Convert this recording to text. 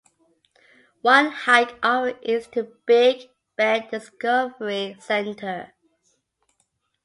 One Hike offered is to the Big Bear Discovery Center.